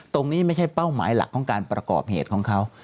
ตรงนี้ไม่ใช่เป้าหมายหลักของการประกอบเหตุของเขา